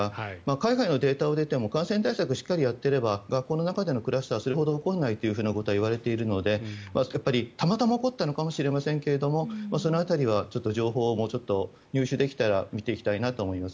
海外のデータを見ても感染対策をしっかりやっていれば学校の中でのクラスターはそれほど起こらないということはいわれているのでやっぱりたまたま起こったのかもしれませんけれどその辺りは情報を入手できたら見ていきたいと思います。